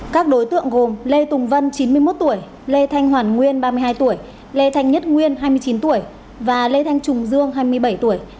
các đối tượng gồm lê tùng vân chín mươi một tuổi lê thanh hoàn nguyên ba mươi hai tuổi lê thanh nhất nguyên hai mươi chín tuổi và lê thanh trùng dương hai mươi bảy tuổi